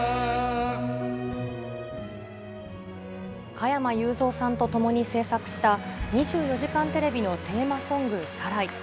加山雄三さんと共に制作した、２４時間テレビのテーマソング、サライ。